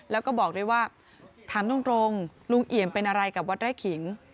แล้วก็บอกด้วยว่าถามตรงลุงเอี่ยมเป็นอะไรกับวัดไร่ขิง